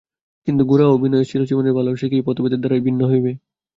কিন্তু গোরা ও বিনয়ের চিরজীবনের ভালোবাসা কি এই পথভেদের দ্বারাই ভিন্ন হইবে?